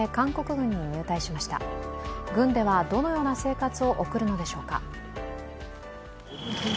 軍ではどのような生活を送るのでしょうか。